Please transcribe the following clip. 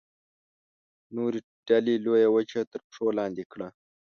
نورې ډلې لویه وچه تر پښو لاندې کړه.